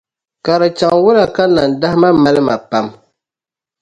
Ka di chaŋ wula ka nandahima mali ma pam?